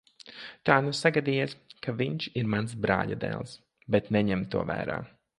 Tā nu sagadījies, ka viņš ir mans brāļadēls, bet neņem to vērā.